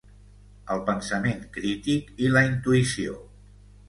el pensament crític i la intuïció